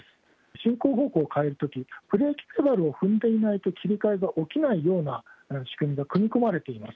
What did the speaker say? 進行方向を変えるとき、ブレーキペダルを踏んでいないと、切り替えが起きないような仕組みが組み込まれています。